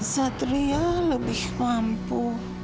satria lebih mampu